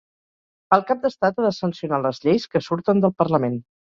El cap d'estat ha de sancionar les lleis que surten del parlament.